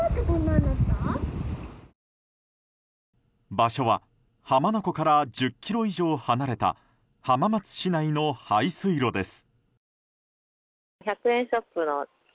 場所は浜名湖から１０ｋｍ以上離れた浜松市内の排水路です。